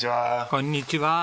こんにちは。